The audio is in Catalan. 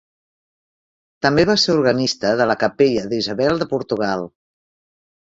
També va ser organista de la capella d'Isabel de Portugal.